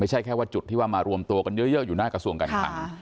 แค่ว่าจุดที่ว่ามารวมตัวกันเยอะอยู่หน้ากระทรวงการคลัง